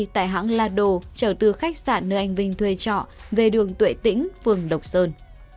tại hãng lado trở từ khách sạn nơi anh vinh thuê trọ về đường tuệ tĩnh phường lộc sơn